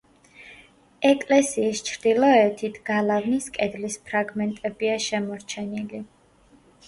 ეკლესიის ჩრდილოეთით გალავნის კედლის ფრაგმენტებია შემორჩენილი.